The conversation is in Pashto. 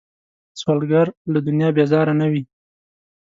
سوالګر له دنیا بیزاره نه وي